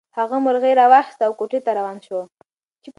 هغه مرغۍ راواخیسته او کوټې ته روان شو.